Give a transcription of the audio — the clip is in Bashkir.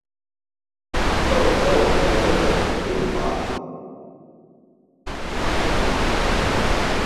Ялҡау урынын йыймаҫ.